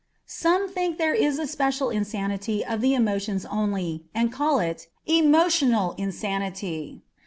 Some think there is a special insanity of the emotions only, and call it "emotional insanity."